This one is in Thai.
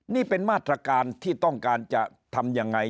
นี่เป็นมาตรการที่ต้องการจะทำยังไง